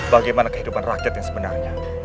bagaimana kehidupan rakyat yang sebenarnya